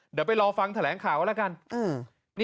เดี๋ยวไปรอฟังแถลงข่าวแล้วกัน